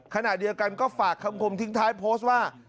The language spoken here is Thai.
ขณะเดียวกันก็ฝากคำคมทิ้งท้ายโพสต์ว่า